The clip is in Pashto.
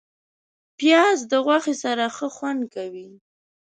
پیاز د غوښې سره ښه خوند کوي